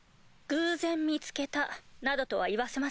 「偶然見つけた」などとは言わせませんよ。